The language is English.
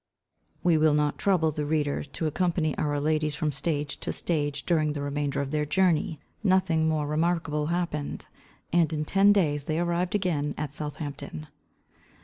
We will not trouble the reader to accompany our ladies from stage to stage during the remainder of their journey. Nothing more remarkable happened, and in ten days they arrived again at Southampton.